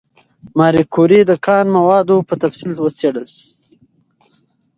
ماري کوري د کان مواد په تفصیل وڅېړل.